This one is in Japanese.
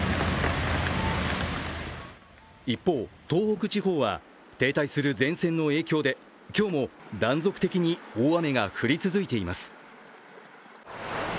一方、東北地方は停滞する前線の影響で今日も断続的に大雨が降り続いています。